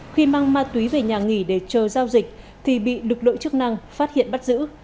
khi mang ma túy về nhà nghỉ để chờ giao dịch thì bị lực lượng chức năng phát hiện bắt giữ